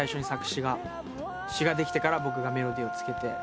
詞ができてから僕がメロディーをつけて。